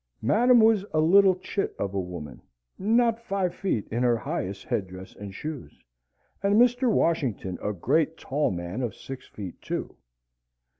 Madam was a little chit of a woman, not five feet in her highest headdress and shoes, and Mr. Washington a great tall man of six feet two.